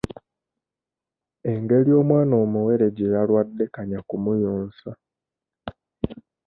Engeri omwana omuwere gye yalwadde kanya kumuyonsa.